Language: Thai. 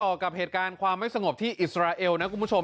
กับเหตุการณ์ความไม่สงบที่อิสราเอลนะคุณผู้ชม